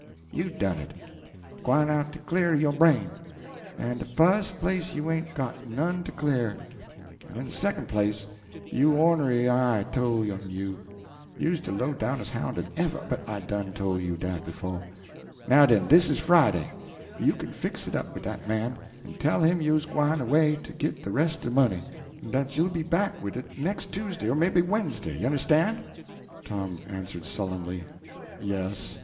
"You done it. Gwine out to cle'r yo' brain! In de fust place you ain't got none to cle'r, en in de second place yo' ornery eye tole on you. You's de low downest hound dat ever but I done tole you dat befo'. Now den, dis is Friday. You kin fix it up wid dat man, en tell him you's gwine away to git de res' o' de money, en dat you'll be back wid it nex' Tuesday, or maybe Wednesday. You understan'?" Tom answered sullenly "Yes."